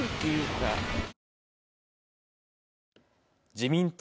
自民党